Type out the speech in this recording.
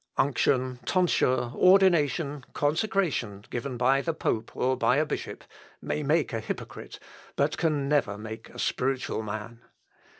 Unction, tonsure, ordination, consecration, given by the pope or by a bishop, may make a hypocrite, but can never make a spiritual man.